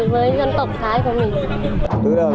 với dân tộc thái của mình